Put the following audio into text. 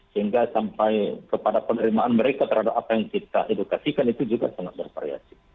sehingga sampai kepada penerimaan mereka terhadap apa yang kita edukasikan itu juga sangat bervariasi